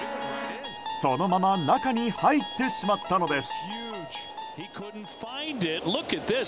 そのまま中に入ってしまったのです。